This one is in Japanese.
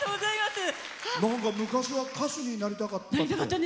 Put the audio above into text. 昔は歌手になりたかった？